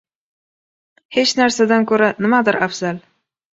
• Hech narsadan ko‘ra nimadir afzal.